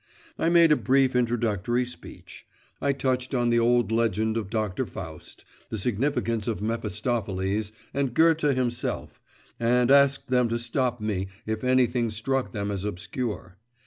I made a brief, introductory speech. I touched on the old legend of doctor Faust, the significance of Mephistopheles, and Goethe himself, and asked them to stop me if anything struck them as obscure.